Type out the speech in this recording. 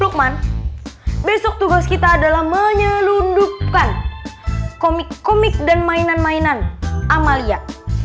lukman besok tugas kita adalah menyelundupkan komik komik dan mainan mainan amalia